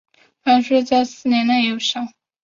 返税在四年内有效。